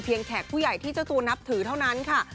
แขกผู้ใหญ่ที่เจ้าตัวนับถือเท่านั้นค่ะ